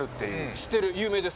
知ってる有名です。